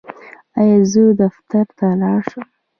ایا زه دفتر ته لاړ شم؟